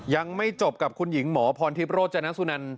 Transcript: ยังไม่จบกับคุณหญิงหมอพรทิพย์โรจนสุนัน